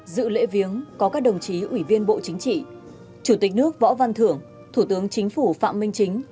dự lễ viếng có các đồng chí ủy viên bộ chính trị chủ tịch nước võ văn thưởng thủ tướng chính phủ phạm minh chính